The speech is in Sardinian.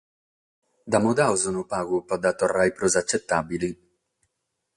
Dda mudamus unu pagu pro dda torrare prus atzetàbile?